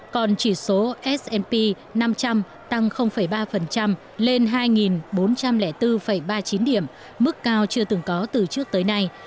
còn chỉ số s p năm trăm linh tăng ba lên hai bốn trăm linh bốn ba mươi chín điểm mức cao chưa từng có từ trước tới nay